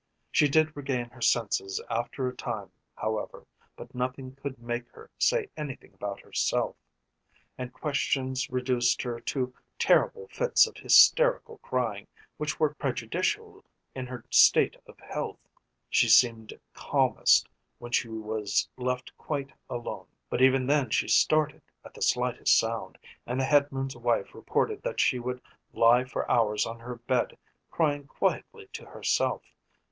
She did regain her senses after a time, however, but nothing could make her say anything about herself, and questions reduced her to terrible fits of hysterical crying which were prejudicial in her state of health. She seemed calmest when she was left quite alone, but even then she started at the slightest sound, and the headman's wife reported that she would lie for hours on her bed crying quietly to herself.